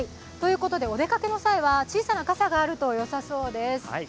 お出かけの際は小さな傘があるとよそさうです。